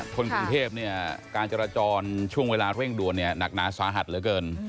คนกรุงเทพเนี่ยการจราจรช่วงเวลาเร่งด่วนเนี่ยหนักหนาสาหัสเหลือเกิน